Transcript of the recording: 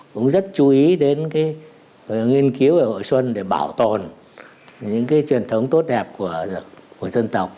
cũng rất chú ý đến cái nghiên cứu về hội xuân để bảo tồn những cái truyền thống tốt đẹp của dân tộc